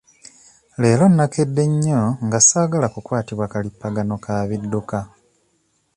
Leero nnakedde nnyo nga ssaagala kukwatibwa kalippagano ka bidduka.